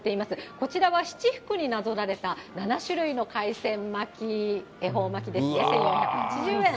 こちらは七福になぞらえた７種類の海鮮巻き、恵方巻きですね、１４８０円。